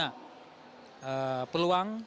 jadi kita harus memiliki peluang